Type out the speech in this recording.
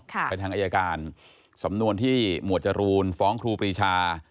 ไปทางอายการสำนวนที่หมวดจรูนฟ้องครูปรีชา